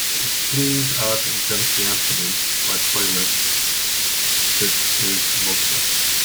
Please add Jency Anthony to my playlist This Is Mozart